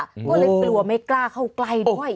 ก็เลยกลัวไม่กล้าเข้าใกล้ด้วย